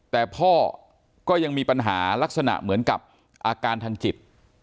แต่พ่อก็ยังมีปัญหาลักษณะเหมือนกับอาการทางจิต